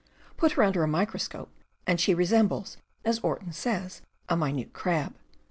Put her under a microscope, and she resembles, as Orton says, a minute crab.